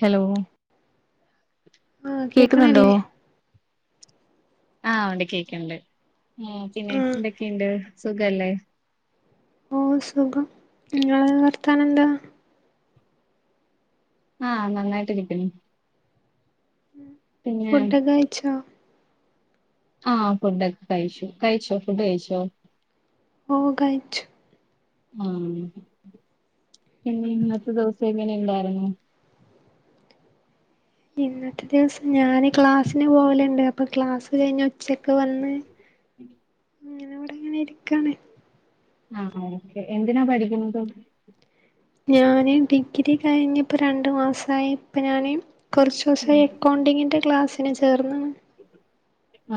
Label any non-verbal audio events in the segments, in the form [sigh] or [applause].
Hello. ആഹ് കോക്ക്ന്നുണ്ടോ കേക്കണില്ലേ ആ ഉണ്ട് കേക്ക്ണ്ട് ഏഹ്. പിന്നെ ആഹ് എന്തൊക്കേണ്ട്. സുഖല്ലെ. ഓ സുഖം. ഇങ്ങളെ വർത്താനം എന്താ. ആ നന്നായിട്ട് ഇരിക്ക്ണു. ഫുഡ്ഡൊക്കെ കഴിച്ചോ. ആ ഫുഡൊക്കെ കഴിച്ചു. കഴിച്ചൊ ഫുഡ് കഴിച്ചോ. ഓ കഴിച്ചു. ആഹ്. പിന്നെ ഇന്നത്തെ ദിവസം എങ്ങനെ ഇണ്ടായിരുന്നു. ഇന്നത്തെ ദിവസം ഞാന് ക്ലാസ്സിന് പോവല്ണ്ട്. അപ്പം ക്ലാസ് കഴിഞ്ഞ് ഉച്ചക്ക് വന്ന്. ഉം ഇങ്ങനെ ഇവിടെ ഇങ്ങനെ ഇരിക്കാണ്. ആഹ് ഓക്കെ. എന്തിനാ പഠിക്കുന്നത്. ഞാന് ഡിഗ്രി കഴിഞ്ഞ് ഇപ്പം രണ്ട് മാസായി ഇപ്പ ഞാന് കൊറച്ചൂസം എക്കൗണ്ടിങ്ങിൻ്റെ ക്ലാസ്സിന് ചേർന്ന്ണ്.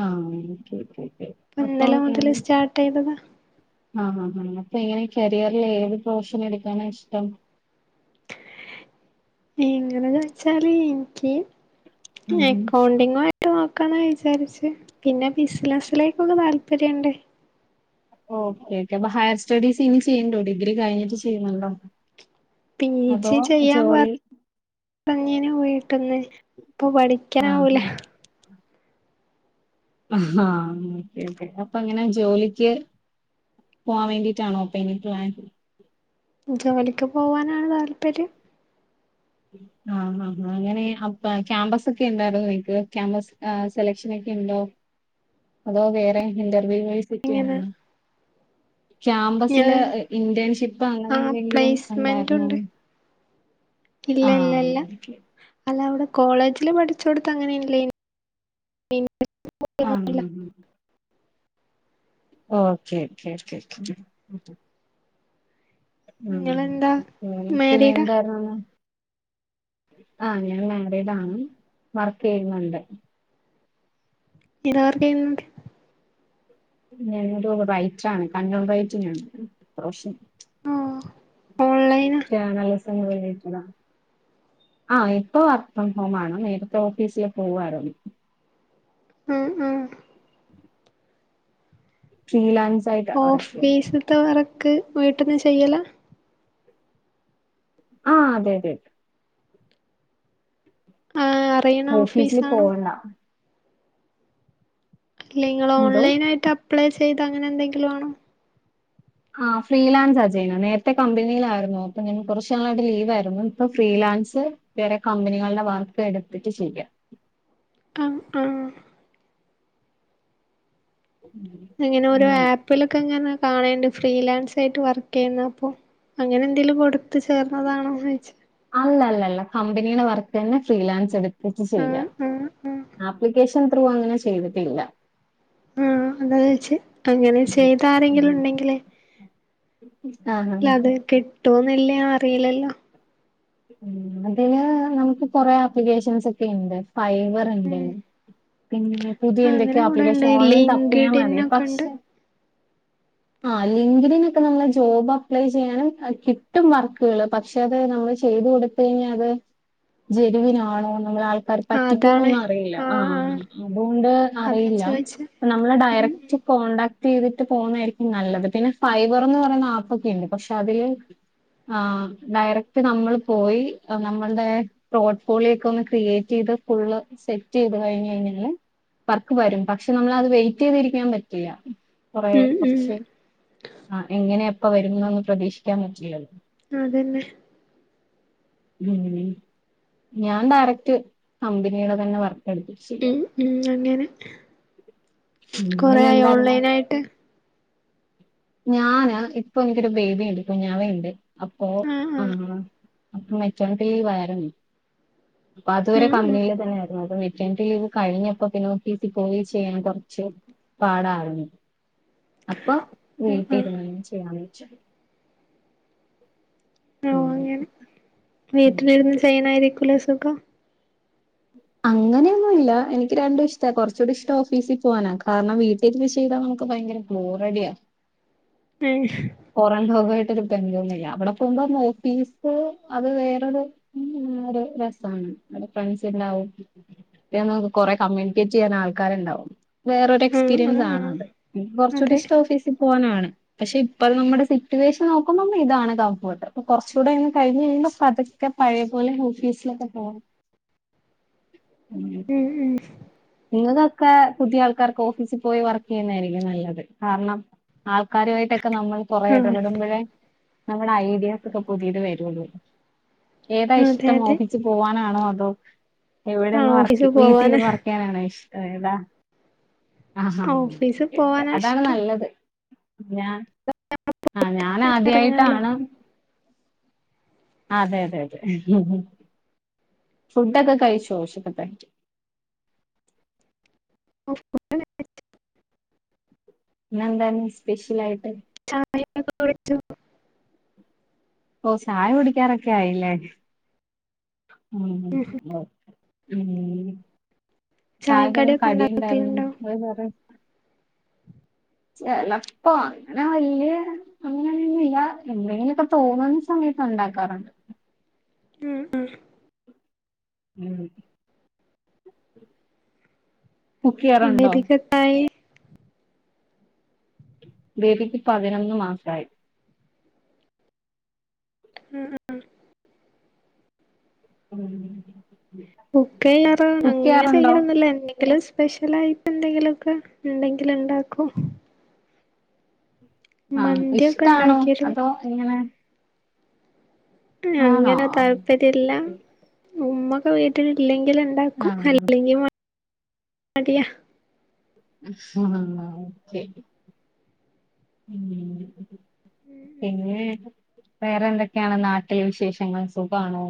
ആ ഒക്കെക്കെക്കെ ഇപ്പൊ അപ്പെ ഇന്നലെ മുതല് സ്റ്റാർട്ട് ചെയ്തതാ [unintelligible] ആ ആ ഹാ അപ്പേ [unintelligible] ഇങ്ങനെ കെരിയറ്ല് ഏത് പ്രൊഫഷൻ എടുക്കാനാണ് ഇഷ്ടം. എങ്ങനെന്ന്‌ വെച്ചാല് ഇൻക്ക്യ് എക്കൗണ്ടിങ് നോക്കാന്ന വിചാരിച്ചെ. പിന്നെ ബിസിനസിലേക്കെ താല്പര്യണ്ട്. ഓക്കെക്കെ. അപ്പ ഹയർ സ്റ്റഡീസ് ഇഞ്ഞ് ചെയ്യിണ്ടോ ഡിഗ്രി കഴിഞ്ഞിട്ട് ചെയ്യണൊ. എന്ത പി ജി ചെയ്യാൻ പറഞ്ഞ്. പഞ്ഞീനു വീട്ട്ന്ന്. ഇപ്പം പഠിക്ക്യാവൂല. ആഹ് ആഹ് പിന്നെ അപ്പങ്ങനെ ജോലിക്ക്. പോവാൻ വേണ്ടിട്ടാണോ ഇപ്പ ഇനി. നി പ്ലൻ ജോലിക്ക് പോകാനാണ് താല്പര്യം ആഹ് ആ അങ്ങനെ അ ക്യാമ്പസ് ഒക്കെ ഇണ്ടായിരുന്നു ഇക്ക് ക്യാമ്പസ് സെലക്ഷൻ ഒക്കെ ഇണ്ടോ. അതോ വേറെ ഇന്റർവ്യൂ വഴി സെറ്റ് ഇങ്ങനെ ചെയ്യാനാണൊ. ക്യാമ്പസില് ഞാൻ ഇന്റേൺഷിപ്പ് അങ്ങനെ ആ എന്തെങ്കിലും പ്ലേസ്മെന്റ് ഇണ്ടായിരുന്നോ ഇല്ലല്ലല്ല. ഓക്കെ അല്ല ഔടെ കോളേജില് പഠിച്ചെ കൊടുത്ത് അങ്ങനെല്ല ആഹ് ഉം ഓക്കെ ഓക്കെ ഓക്കെ ഉ നിങ്ങളെന്താ [unintelligible] പിന്നെ മാരീഡാ എന്തായിരുന്നു ആഹ് ഞാൻ മെരേഡാണ് വർക്ക് ചെയ്യുന്നുണ്ട് എന്തിനാ വർക്ക് ചെയ്യുന്നത് ഞാനൊരു റൈറ്റർ ആണ് കണ്ണൺ റൈറ്റിനാണ് റോഷിം ആഹ് ഓൺലൈൻ [unintelligible] നല്ലസമ്മയിക്കണം ആ ഇപ്പം വർക്ക് ഫ്രം ഹോമാണ് നേരത്തെ ഓഫീസില് പോവായിര്ന്ന് ഉം ഉം [unintelligible] വർക്ക് ചെയ്യുന്നെ ഓഫീസ്ത്തെ വർക്ക് വീട്ട്ന്ന് ചെയ്യലാ ആ അതെ അതെ ആഹ് അറിയണ ഓഫീസില് ഓഫീസാണോ പോവണ്ട എല്ലേ നിങ്ങൾ എന്തോ ഓൺലൈന ആയിട്ട് അപ്ലൈ ചെയ്ത് അങ്ങനെ എന്തെങ്കിലാണോ ആ ഫ്രീലാൻസ് ചെയ്യണേ നേരത്തെ കമ്പനിയിലായിരുന്നു അപ്പൊ ഞാൻ കുറച്ചു നാളായിട്ട് ലീവ് ആയിയിരുന്നു ഇപ്പൊ ഫ്രീലാൻസ് വേറെ കമ്പനികളുടെ വർക്ക് എടുത്തിട്ട് ചെയ്യാം അ ആ അങ്ങനെ ഓരോ ആപ്പിലൊക്കെ ഇങ്ങനെ കാണേണ്ട് ഫ്രീലാൻസ് ആയിട്ട് വർക്ക് ചെയ്യുന്ന അപ്പൊ അങ്ങനെ എന്തെങ്കിലും കൊടുത്തു ചേർന്നതാണോന്ന് ചോയിച്ചേ അല്ല അല്ല അല്ല കമ്പനിയുടെ വർക്ക്ന്നെ ഫ്രീലാൻസ് എടുത്തിട്ട് ചെയ്യ ആഹ് ആഹ് ആഹ് ആപ്ലിക്കേഷൻ ത്രവാം അങ്ങനെ ചെയ്തിട്ടില്ല ഉം അതാ ചോദിച്ച അങ്ങനെ ഉം ചെയ്ത ആരെങ്കിലും ഉം. ഉണ്ടെങ്കില് ആഹ് ഹഹാ കിട്ടോന്ന്ള്ള അറിയില്ലല്ലോ ഉം അതില് നമുക്ക് കൊറെ ആപ്ലിക്കേഷൻസ് ഒക്കെ ഉണ്ട് ഫൈവർ ഉണ്ട് പിന്നെ പുതിയ അങ്ങനെ എന്തൊക്കെയോ കൂടെണ്ട് ആപ്ലിക്കേഷൻ ഓൺലൈൻ തപ്പിയാ മതി ലിങ്കിടിനൊക്കെ ഉണ്ട് പക്ഷെ ആ ലിങ്ക്ട്നൊക്കെ നമ്മള് ജോബ് അപ്ലൈ ചെയ്യാനും കിട്ടും വർക്കുകള് പക്ഷെ അത് നമ്മള് ചെ ചെയ്ത് കൊടുത്തു കഴിഞ്ഞാല് അത് ജനുവിനാണൊ എന്നുള്ളത് ആഹ് അതാണ് പറ്റിക്കോന്ന് അറിയില്ല ആ ആഹ് ആഹ് അതുകൊണ്ട് അതാ അറിയില്ല ചോയിച്ചേ നമ്മള് ഉം ഡയറക്റ്റ് കോണ്ടടാക്ട് ചെയ്തിട്ട് പോകുന്നതായിരിക്കും നല്ലത് പിന്നെ ഫൈബർന്ന് പറയുന്ന ആപ്പ് ഒക്കെ ഉണ്ട് പക്ഷെ അതില് ആഹ് ഡയറക്റ്റ് നമ്മൾ പോയി നമ്മൾടെ പ്രോഡ്ഫോളിയേക്ക് ഒന്ന് ക്രിയേറ്റ് ചെയ്ത് ഫുള്ള് സെറ്റ് ചെയ്ത് കഴിഞ്ഞ് കഴിഞ്ഞ് ല്ലെ വർക്ക് വരും പക്ഷെ നമ്മള അത് വെയിറ്റ് ചെയ്തിരിക്കാൻ പറ്റില്ല കുറെ ഉം ഉം കൊറച്ച് ആ എങ്ങനെയ എപ്പ വരുന്നൊന്ന് പ്രതീക്ഷിക്കാൻ പറ്റില്ലല്ലോ അതന്നെ ഉം ഉം ഞാൻ ഡയറക്റ്റ് കമ്പനിയുടെ തന്നെ വർക്ക് എടുത്തു ശരിയാ ഉം ഉം അങ്ങനെ കൊറേ ആയോ പിന്നിലെന്തായിരുന്നു ഓൺലൈനായിട്ട് ഞാന് ഇപ്പൊ എനിക്കൊരു ബേബിയുണ്ട് കുഞ്ഞാവയുണ്ട് അപ്പൊ ആഹ് അപ്പം മെക്കാനിക്കൽ ലീവായിരുന്നു അപ്പൊ അതുവരെ ഉം ഉം കമ്പനിയിൽ തന്നെ ആയിരുന്നു അ ലീവ് കഴിഞ്ഞപ്പോ പിന്നെ ഓഫീസിൽ പോയി ചെയ്യാൻ കുറച്ച് പാടായിരുന്നു അപ്പൊ ഉം വീട്ടില് ഉം ഇരുന്ന് ചെയ്യാന്ന് വെച്ചു ഓ അങ്ങനെ ഉം വീട്ടിലിരുന്ന് ചെയ്യ് ണായിരിക്കൂം ലേ സുഖം അങ്ങനെയൊന്നുല്ല എനിക്ക് രണ്ടും ഇഷ്ട കുറച്ചുകൂടി ഇഷ്ടം ഓഫീസിൽ പോകാനാണ് കാരണം വീട്ടി വീട്ടില് ചെയ്താ നമ്മുക്ക് ഭയങ്കര ബോറടിയാ [unintelligible] പൊറം ലോകായിട്ട് ഒരു ബന്ധവുമില്ല അവിടെ [unintelligible] ഓഫീസ് അത് വേറൊരു ഉം ഒരു രസാണ് [unintelligible] ഫ്രണ്ട്സ് ഉണ്ടാവും പിന്നെ നമ്മുക്ക് കുറെ കമ്മ്യൂണിക്കേറ്റ് ചെയ്യാൻ ആൾക്കാര്ണ്ടാവും വേറൊരു ആ ആ ആ എക്സ്പീരിയൻസാണത് പിന്നെ കുറച്ചൂടി അതെ ഇഷ്ടം ഓഫീസിപോവാനാണ് പക്ഷേ ഇപ്പ നമ്മുടെ സിറ്റുവേഷൻ നോക്കുമ്പം ഇതാണ് കംഫോർട്ട് ഇപ്പ കൊറച്ച് കൂടെങ്ങ് കഴിഞ്ഞ്കഴിയുമ്പോ പത് ക്കെ പഴയപോലെ ഓഫീസിലൊക്കെ പോന്ന് ഉം [unintelligible] ഉം നിങ്ങൾക്കൊക്കെ പുതിയ ആൾക്കാർക്ക് ഓഫീസിപോയി വർക്ക് ചെയ്യുന്നായിരിക്കും നല്ലത് കാരണം ആൾക്കാരു ആയിട്ടൊക്കെ നമ്മള് ആ കുറേഎടപെടുമ്പോഴേ നമ്മ്ടെഐഡിയാസ്ക്കെ പുതിയത് വരുള്ളൂ ഏതാ അതെ ഇഷ്ടം അതെ ഓഫിസിൽ പോവാനാണോ അതോ ആ ഇവിടെന്ന് വർക്കി ഓഫീസിൽ വീട്ടീന്ന് പോവാന് വർ [unintelligible] ഇഷ്ടം ഏതാ ആഹ് ഓഫീസിൽ ആഹ് പോവാനാ അതാണ് ഇഷ്ടം നല്ലത് ഞാ ആഹ് ഇറങ്ങാലോ ഞാനാദ്യായിട്ടാണ് അതെ അതെ അതെ ഫുഡ്ഡൊക്കെ കഴിച്ചൊ ഉച്ചക്കത്തെ [unintelligible] ഇന്ന് എന്താണ് സ്പെഷ്യലായിട്ട്? [unintelligible] ഓ ചായകുടിക്കാറൊക്കെ ആയി ഇല്ലേ? [unintelligible] ചായക്കെ ചായക്കടിയൊക്കെ കടിയുണ്ടായ്രുന്നു ഉണ്ടാക്കലുണ്ടോ [unintelligible] ചെലപ്പോ അങ്ങനെവല്ല്യ അങ്ങനൊന്നും ഇല്ല എന്തെങ്കിലൊക്കെ തോന്നുന്ന സമയത്ത് ഉണ്ടാക്കാറുണ്ട് ഉം ഉം [inaudible] [unintelligible] ബേബിക്ക് പതിനൊന്ന് മാസായി. ഉം ഉം ഉം [unintelligible] കുക്ക് ചെയ്യാറുണ്ടോ എന്തെങ്കിലും സ്പെഷ്യലായിട്ട് എന്തെങ്കിലൊക്കെ ഇണ്ടെങ്കിൽ ഉണ്ടാക്കും ആഹ് മന്തിയൊക്കെ ഇഷ്ടാണോ ഉണ്ടാക്കിയിരുന്നു അതോ എങ്ങനെ? ആണോ അങ്ങനെ താല്പര്യം ഇല്ല ഉമ്മക്കെവീട്ടിലില്ലെങ്കില് ഉണ്ടാക്കും ആഹ് അല്ലെങ്കി മ മടിയാ [unintelligible] പിന്നെ വേറെന്തൊക്കെ ആണ് നാട്ടിൽ വിശേഷങ്ങൾ സുഖാണോ?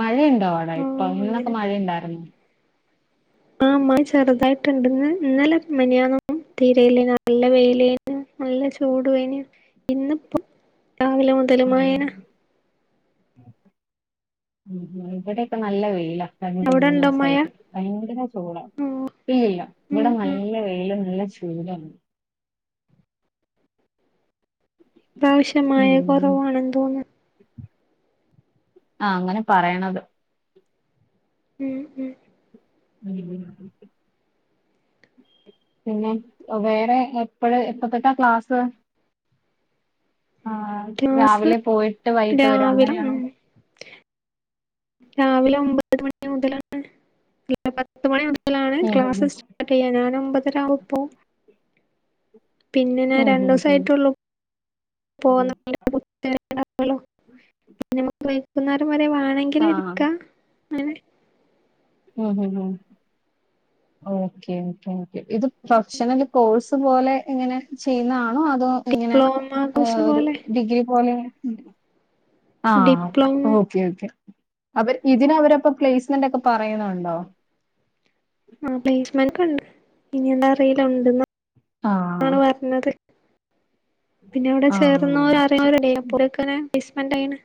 മഴയുണ്ടോ അവ്ടെ ഓ ഇപ്പം ഇന്നൊക്കെ അങ്ങനെ മഴയുണ്ടായ്രുന്നു ആഹ് മഴ ചെറുതായിട്ട് ഉണ്ട് ഇന്ന് ഇന്നലെ മെനഞ്ഞാന്നൊന്നും തീരെ ഇല്ല നല്ല വെയില് ആയിരുന്ന് നല്ല ചൂട് വെയില് ഇന്നിപ്പോ രാവിലെമുത ആഹ് ഇവിടെക്കെ നല്ല വെയിലാ രണ്ട് അവിടെ മൂന്ന് ഉണ്ടോ മഴ ദിവസായിട്ട് ഭയങ്കര ചൂടാ ഓ ഇല്ലില്ല ഉം ഇവിടെ ഉം നല്ല വെയിലും നല്ലചൂടാണ് ഇപ്രാവശ്യം മഴ ഉം കുറവാണെന്ന് തോന്ന് ആഹ് അങ്ങനെ പറയണത് ഉം ഉം ഉം പിന്നെ വേറെ എപ്പളാ എപ്പത്തൊട്ടാ ക്ലാസ് ആഹ് ക്ലാസ് രാവിലെ പോയിട്ട് വൈകിട്ട് വരും അങ്ങനെ രാവിലെ ആണോ ഉം രാവിലെ ഒമ്പത് മണി മുതലാണ് [unintelligible] പത്ത് മണി മുതലാണ് ഉം ഉം ഉം ക്ലാസ്സ് സ്റ്റാ ർട്ട് ചെയ്യണത് ഞാൻ ഒമ്പതര ആവുമ്പോ പോവും പിന്നെ ഞാൻ ഉം രണ്ട് ഉം ഉം. ദിസായിട്ടൊള്ളു ഉം പോന്നാ [inaudible] വൈകുന്നേരം വരെ വാണെങ്കിൽ ഇരി ആഹ് അങ്ങനെ ഉം ഉം ഉം ഓക്കെ ഓക്കെ ഓക്കെ ഇത് പ്രൊഫഷണൽ കോഴ്സ് പോലെ എങ്ങനെ ചെയ്യുന്നതാണോ അതോ ഇങ്ങനെ ഡിപ്ലോമ ഏ കോഴ്സ് ഒരു പോലെ ഡിഗ്രിപോലെ ആഹ് ഡിപ്ലോമ ഓഹ് ഓക്കെ ഓക്കെ അവര് ഇതിനവര് അപ്പൊ പ്ലേസ്മെന്റ് ഒക്കെ പറയണൊണ്ടോ ആഹ് പ്ലേസ്മെന്റൊക്കെ ഉണ്ട് ഇനി എന്താ അറിയില ആഹ് ഉണ്ടന്നാണ് പറഞ്ഞത് പിന്നെ അവടെ ആഹ് ചേർന്നോര് ആരൂല്ല ഓക്കെ [unintelligible] പ്ലെയ്സ്മെന്റ് ചെയ്യണേ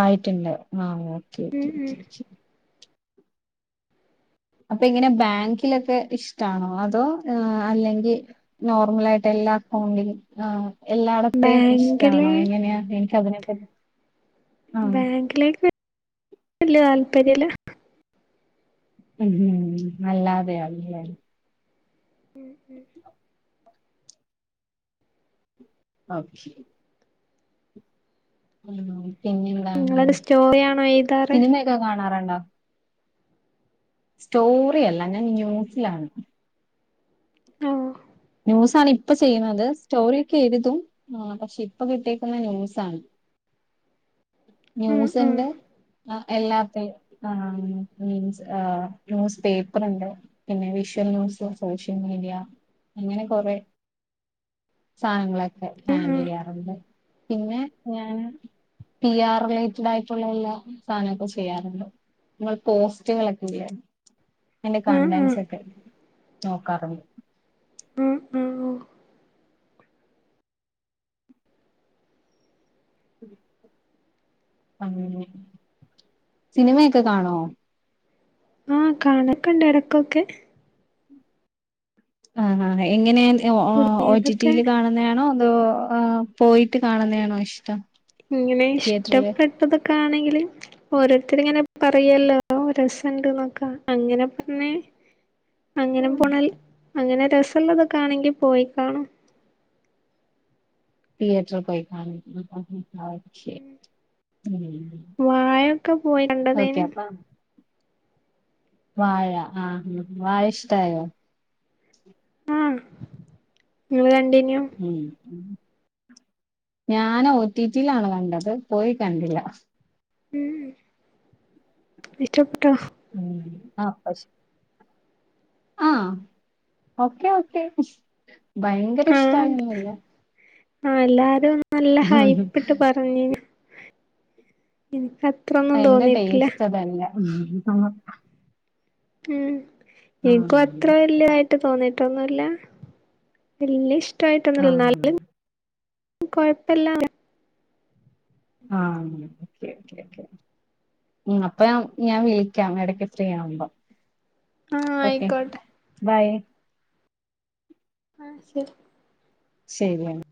ആയിട്ടുണ്ട് ആ ഓക്കെ ഉം ഓക്കെ ഉം. ഓക്കെ ഓക്കേ അപ്പൊ ഇങ്ങനെ ബാങ്കിലൊക്കെ ഇഷ്ട്ടാണോ അതോ അല്ലെങ്കി നോർമലായിട്ട് എല്ലാ അക്കൗണ്ടിലും ആഹ് എല്ലാടത്തേയും ബാങ്കില് ഇഷ്ട്ടാണോ എങ്ങനെയാ എനിക്കതിനെ [unintelligible] ബാങ്കിലേക്ക് വല്ല്യ താല്പര്യവില്ല ഉം ഉം അല്ലാതെ ആയി അല്ലേ ഓക്കെ ഉം പിന്നെന്താണ് നിങ്ങളത് സ്റ്റോറി ആണോ എഴുതാറ് സിനിമയൊക്കെ കാണാറുണ്ടോ സ്റ്റോറിയല്ല ഞാൻ ന്യൂസിലാണ് ഓ ന്യൂസാണ് ഇപ്പ ചെയ്യുന്നത് സ്റ്റോറിയൊക്കെ എഴുതും ആ പക്ഷെ ഇപ്പൊ കിട്ടിയേക്കുന്നെ ന്യൂസാണ് ഉം ഉം. ന്യൂസുണ്ട് അ ല്ലാത്തെ ആ മീൻസ് ആ ന്യൂസ് പേപ്പറൊണ്ട് പിന്നെ വിഷ്വൽ ന്യൂസ് സോഷ്യൽ മീഡിയ അങ്ങനെ കൊറേ സാധനങ്ങളൊക്കെ ഉം ഹാൻഡിൽ ഉം. ചെയ്യാറുണ്ട് പിന്നെ ഞാന് പി ആർ റിലേറ്റെഡ് ആയിട്ടുള്ള എല്ലാ സാധനൊക്കെ ചെയ്യാറുണ്ട് ഇങ്ങൾ പോസ്റ്റുകളൊക്കെ [unintelligible] അയന്റെ ഉം ഉം. കണ്ടന്റ്സൊക്കെ നോക്കാറുണ്ട് ഉം ഉം. ഓ [inaudible] അങ്ങനെ സിനിമയൊക്കെ കാണുവോ ആഹ് കാണൊക്കെയുണ്ട് എടക്കൊക്കെ ആഹ് ആഹ് ആഹ് എങ്ങനെ ഒ റ്റി പുതിയതൊക്കെ റ്റിയിൽ കാണ ന്നെയാണോ അതോ ആ പോയിട്ട് കാണുന്നെയാണോ ഇഷ്ടം ഇങ്ങനെ തിയേറ്ററില് ഇഷ്ടപ്പെട്ടതൊക്കെ ആണെങ്കില് ഓരോത്തർ ഇങ്ങനെ പറയല്ലോ ഓ രസൊണ്ടെന്നൊക്കാ അങ്ങനെ പറഞ്ഞ് അങ്ങനെ പോണേൽ അങ്ങനെ രെസവുള്ളതൊക്കെ ആണെങ്കി പോയി കാണും തീയറ്റർ പോയി കാണും [unintelligible] ശരി ഉം വാഴൊക്കെ പോയി ഓക്കെ കണ്ടതേനു അപ്പൊ വാഴ ആഹ് വാഴ ഇഷ്ടായോ ആഹ് ഇങ്ങള് കണ്ടിനോ ഉം, ഉം ഞാനോ റ്റി റ്റി ലാണ് കണ്ടത് പോയികണ്ടില്ല. ഉം ഇഷ്ട്ടപ്പെട്ടോ? ഉം അ പശെ ആഹ് അപ്പൊ ഓക്കെ ഭയങ്കര ആഹ് ഇഷ്ട്ടാണെന്ന് പറയാം. ആഹ് എല്ലാരും ന്നല്ല ഹൈപ്പ് ഇട്ട് പർഞ്ന്. ഇൻക്കത്- അയ്ന്റെ ടേസ്റ്റതല്ല ഹ് ഹ് ഉം ഇൻക്കും അത്ര ആഹ് വെല്ല്യആ ട്ട് തോന്നീട്ടൊന്നുല്ല, വെല്ല്യ ഇഷ്ട്ടായിട്ടൊന്നുല്ല ആഹ് എന്നാലും. ത് കൊഴപ്പല്ല വെ- ആഹ് അങ്ങനെ ഒക്കെ, ഒക്കെ, ഒക്കെ ഉ അപ്പം ഞാ വിളിക്കാം എടക്കെ ഫ്രീ ആവുമ്പൊ. ആഹ് ഒക്കെ ആയിക്കോട്ടെ ബൈ ആ ശരി. ശരി ആ